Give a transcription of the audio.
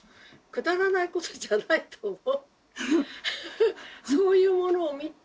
くだらないことじゃないと思う。